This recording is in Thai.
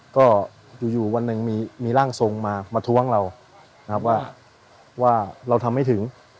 ก็อยู่วันหนึ่งมีร่างทรงมามาท้วงเรานะครับว่าเราทำไม่ถึง